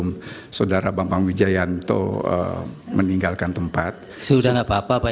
mbak prithip kudus anggota tim hukum dan hak asasi ministeri saksi udara j peng mentor